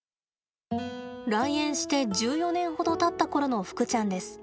来園して１４年ほどたった頃のふくちゃんです。